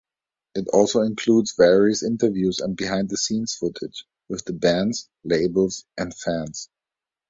It also includes various interviews and behind-the-scenes footage with the bands, labels and fans.